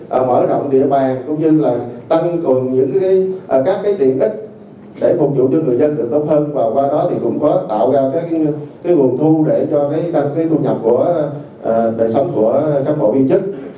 và qua đó thì cũng có tạo ra các cái nguồn thu để cho cái thu nhập của đại sân của các bộ viên chức